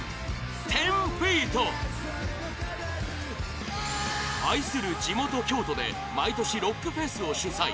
１０‐ＦＥＥＴ愛する地元・京都で毎年ロックフェスを主催